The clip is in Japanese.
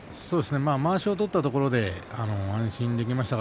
まわしを取ったところでは安心できました。